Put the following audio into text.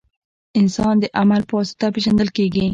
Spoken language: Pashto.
• انسان د عمل په واسطه پېژندل کېږي.